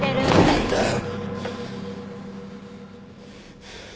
何だよ！